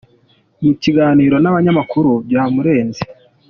Mu kiganiro na ba Nyamakuru bya murenze